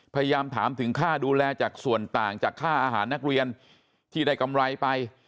พยายามถามถึงค่าดูแลจากส่วนต่างจากค่าอาหารนักเรียนที่ได้กำไรไป